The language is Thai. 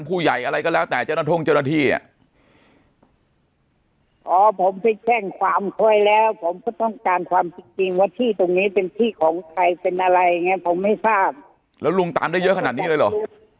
ผู้ใหญ่อะไรก็แล้วแต่เจ้าหน้าท่งเจ้าหน้าที่อ่ะอ๋อผมไปแช่งความคอยแล้ว